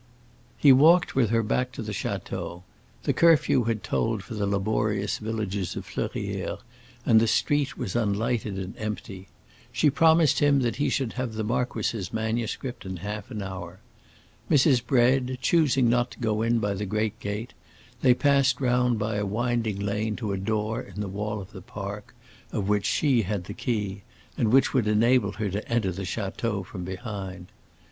He walked with her back to the château; the curfew had tolled for the laborious villagers of Fleurières, and the street was unlighted and empty. She promised him that he should have the marquis's manuscript in half an hour. Mrs. Bread choosing not to go in by the great gate, they passed round by a winding lane to a door in the wall of the park, of which she had the key, and which would enable her to enter the château from behind.